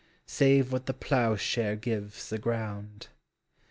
Save what the ploughshare gives the ground.